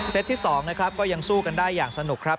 ที่๒นะครับก็ยังสู้กันได้อย่างสนุกครับ